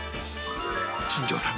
新庄さん